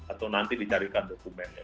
atau nanti dicarikan dokumen